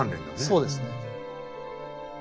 そうですね。